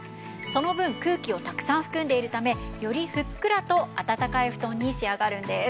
その分空気をたくさん含んでいるためよりふっくらとあたたかい布団に仕上がるんです。